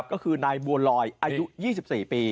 ก็คือนายบัวลอยอายุ๒๔ปี